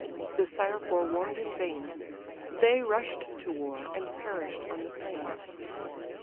the sire forewarn'd in vain, They rush'd to war, and perish'd on the plain.